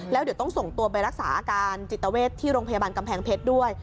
แล้วเดี๋ยวต้องส่งตัวไปรักษาอาการจิตเวทที่โรงพยาบาลกำแพงเพชรด้วย